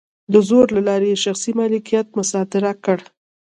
د زور له لارې یې شخصي مالکیت مصادره کړ.